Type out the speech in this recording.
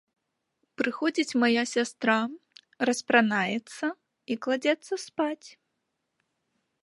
Прыходзіць мая сястра, распранаецца і кладзецца спаць.